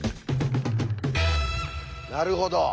なるほど。